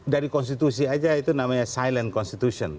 dari konstitusi aja itu namanya silent constitution